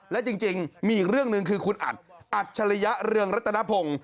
และจริงมีอีกเรื่องหนึ่งคือคุณอัดอัจฉริยะเรืองรัตนพงศ์